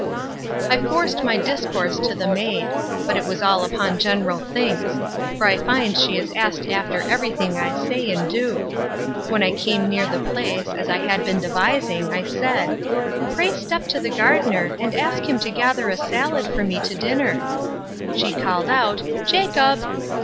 I forced my discourse to the maid; but it was all upon general things; for I find she is asked after every thing I say and do. When I came near the place, as I had been devising, I said, Pray step to the gardener, and ask him to gather a sallad for me to dinner. She called out, Jacob!